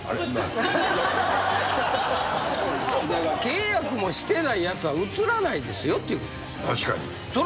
契約もしてないやつは映らないですよっていうことです。